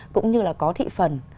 cũng như là có thị phần